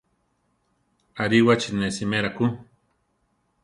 Aríwachi ne simera ku.